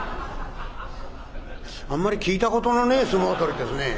「あんまり聞いたことのねえ相撲取りですねぇ」。